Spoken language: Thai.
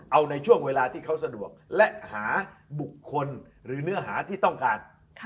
เอาในช่วงเวลาที่เขาสะดวกและหาบุคคลหรือเนื้อหาที่ต้องการ